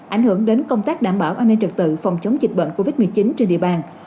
ảnh hưởng đến công tác đảm bảo an ninh trật tự phòng chống dịch bệnh covid một mươi chín trên địa bàn